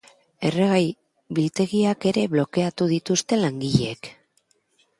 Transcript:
Erregai biltegiak ere blokeatu dituzte langileek.